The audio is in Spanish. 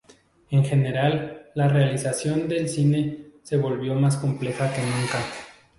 En general, la realización del cine se volvió más compleja que nunca.